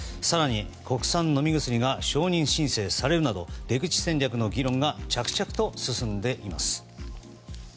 更に国産飲み薬が承認申請されるなど出口戦略の議論が着々と進んでいます。